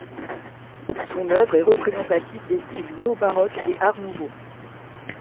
Son œuvre est représentative des styles néo-baroque et Art nouveau.